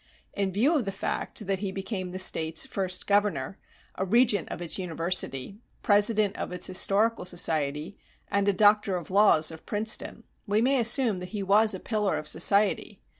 In view of the fact that he became the State's first governor, a regent of its university, president of its historical society, and a doctor of laws of Princeton, we may assume that he was a pillar of society.